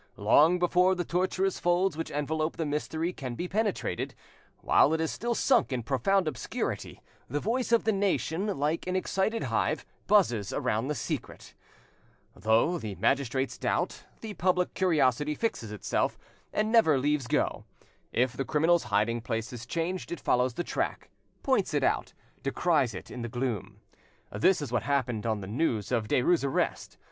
Long before the tortuous folds which envelop the mystery can be penetrated, while it is still sunk in profound obscurity, the voice of the nation, like an excited hive, buzzes around the secret; though the magistrates doubt, the public curiosity fixes itself, and never leaves go; if the criminal's hiding place is changed, it follows the track, points it out, descries it in the gloom. This is what happened on the news of Derues' arrest.